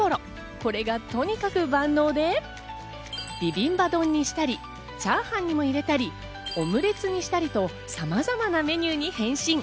これがとにかく万能で、ビビンバ丼にしたり、チャーハンにも入れたりオムレツにしたりと、さまざまなメニューに変身。